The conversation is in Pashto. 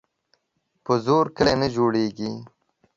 په زور کلي نه جوړیږي.